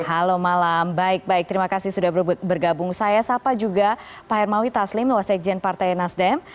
halo malam baik baik terima kasih sudah bergabung saya sapa juga pak hermawi taslim wasekjen partai nasdem